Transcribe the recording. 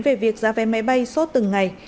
về việc ra vé máy bay suốt từng ngày